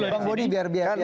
bang bodi biar biar